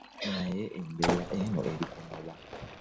Naye embeera eno erikoma wa?